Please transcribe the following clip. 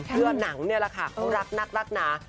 เพื่อหนังนี่แหละค่ะเขารักนักรักหนา